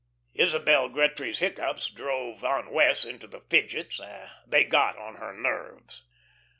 Isabel Gretry's hiccoughs drove Aunt Wess' into "the fidgets." They "got on her nerves."